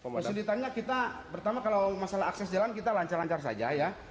kesulitannya kita pertama kalau masalah akses jalan kita lancar lancar saja ya